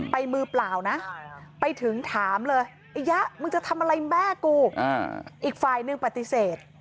มือเปล่านะไปถึงถามเลยไอ้ยะมึงจะทำอะไรแม่กูอีกฝ่ายนึงปฏิเสธ